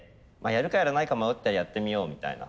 やるかやらないか迷ったらやってみようみたいな。